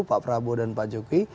pak prabowo dan pak jokowi